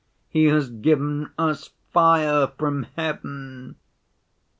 He has given us fire from heaven!"